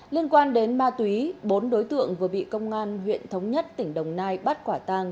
liên quan đến ma túy bốn đối tượng vừa bị công an huyện thống nhất tỉnh đồng nai bắt quả tàng